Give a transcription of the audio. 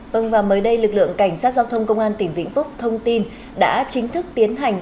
vâng và mới đây lực lượng cảnh sát giao thông công an tỉnh vĩnh phúc thông tin đã chính thức tiến hành